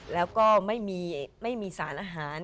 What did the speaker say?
แล้วก็ไม่มีสารอาหาร